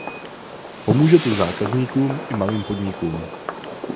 Pomůže to zákazníkům i malým podnikům.